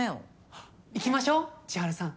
あっ行きましょ千晴さん。